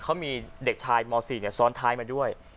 เขามีเด็กชายม๔ซ้อนท้ายมาด้วย